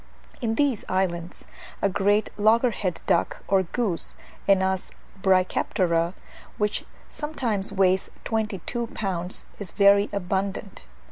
In these islands a great loggerheaded duck or goose (Anas brachyptera), which sometimes weighs twenty two pounds, is very abundant.